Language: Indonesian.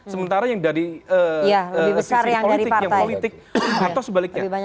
sementara yang dari sisi politik atau sebaliknya